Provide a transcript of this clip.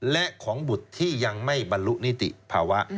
และของบุตรที่ยังไม่บรรลุนิติภาวะ